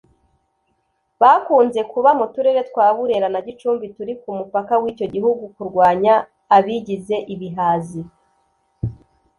bakunze kuba mu turere twa Burera na Gicumbi turi ku mupaka w’icyo gihugu) kurwanya abigize ibihazi